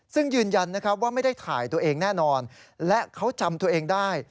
ซึ่งยืนยันนะครับว่าไม่ได้ถ่ายตัวเองแน่นอนและเขาจำตัวเองได้